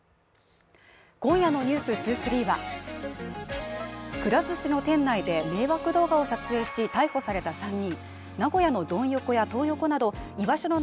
今夜の「ｎｅｗｓ２３」はくら寿司の店内で迷惑動画を撮影し逮捕された３人。